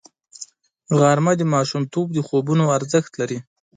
غرمه د ماشومتوب د خوبونو ارزښت لري